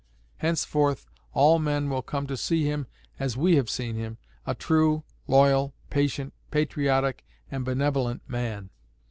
Henceforth all men will come to see him as we have seen him a true, loyal, patient, patriotic, and benevolent man.